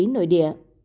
cục hàng không việt nam